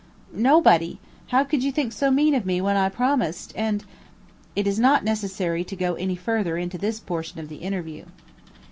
"Nobody; how could you think so mean of me when I promised, and " It is not necessary to go any further into this portion of the interview.